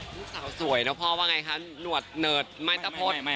ลูกสาวสวยนะพ่อว่าไงคะหนวดเหนิดไม้ตะพด